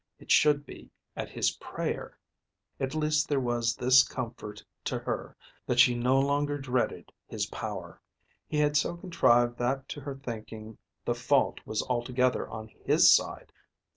It should be at his prayer. At least there was this comfort to her, that she no longer dreaded his power. He had so contrived that to her thinking the fault was altogether on his side.